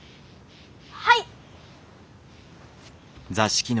はい！